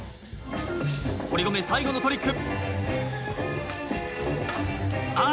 堀米、最後のトリック。